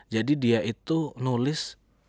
jadi dia itu nulis